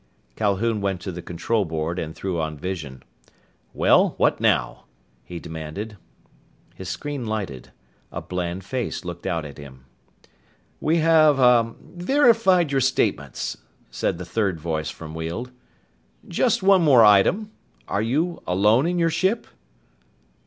Calhoun went to the control board and threw on vision. "Well, what now?" he demanded. His screen lighted. A bland face looked out at him. "We have ah verified your statements," said the third voice from Weald. "Just one more item. Are you alone in your ship?"